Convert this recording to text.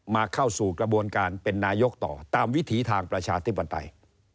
เข้าสู่กระบวนการเป็นนายกต่อตามวิถีทางประชาธิปไตย